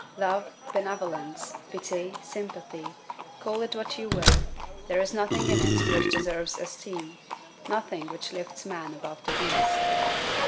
Love, benevolence, pity, sympathy, call it what you will, there is nothing in it which deserves esteem, nothing which lifts man above the beast.